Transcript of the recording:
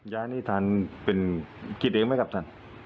ย้านที่ท่านเป็นกิจเองไหมครับท่าน